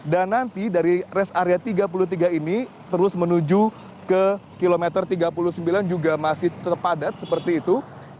dan nanti dari rest area tiga puluh tiga ini terus menuju ke kilometer tiga puluh sembilan juga masih padat seperti itu